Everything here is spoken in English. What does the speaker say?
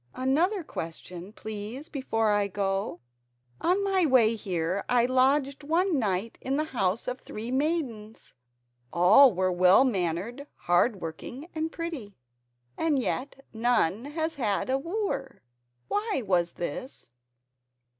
"Another question, please, before I go. On my way here I lodged one night in the house of three maidens. All were well mannered, hard working, and pretty, and yet none has had a wooer. Why was this?"